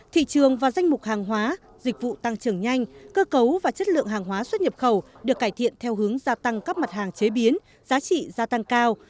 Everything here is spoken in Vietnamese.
thị trường và danh mục hàng hóa dịch vụ tăng trưởng nhanh cơ cấu và chất lượng hàng hóa xuất nhập khẩu được cải thiện theo hướng gia tăng các mặt hàng chế biến giá trị gia tăng cao